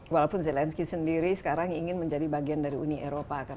walaupun zelensky sendiri sekarang ingin menjadi bagian dari uni eropa